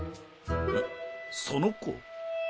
えっ「その子」？